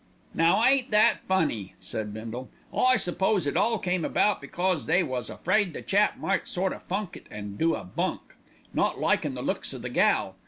"Now ain't that funny," said Bindle. "I suppose it all come about because they was afraid the chap might sort o' funk it and do a bunk, not likin' the looks o' the gal.